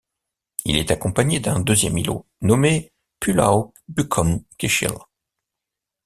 Il est accompagné d'un deuxième îlot nommé Pulau Bukom Kechil.